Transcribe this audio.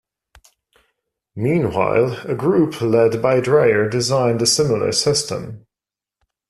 Meanwhile, a group led by Dreyer designed a similar system.